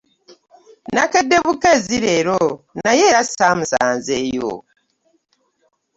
Nakedde bukeezi leero naye era ssamusanzeeyo.